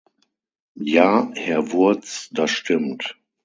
Ja, Herr Wurtz, das stimmt.